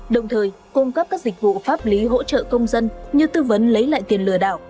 đồng thời cung cấp các dịch vụ pháp lý hỗ trợ công dân như tư vấn lấy lại tiền lừa đảo